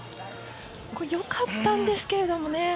よかったんですけれどもね。